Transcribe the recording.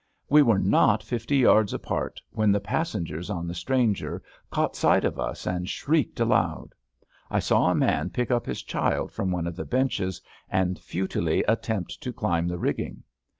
We were not fifty yards apart when the pas sengers on the stranger caught sight of us and shrieked aloud. I saw a man pick up his child from one of the benches and futilely attempt to climb the rigging.